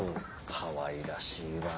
かわいらしいな。